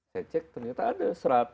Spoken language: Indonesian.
saya cek ternyata ada